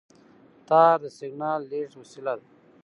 تار د سیګنال لېږد وسیله ده.